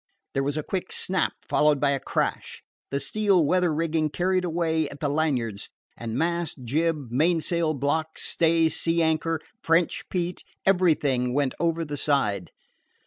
There was a quick snap, followed by a crash. The steel weather rigging carried away at the lanyards, and mast, jib, mainsail, blocks, stays, sea anchor, French Pete everything went over the side.